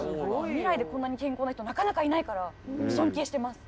未来でこんなに健康な人なかなかいないから尊敬してます！